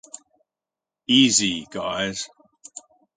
Easy guys.